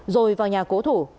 rồi vào nhà cố thủ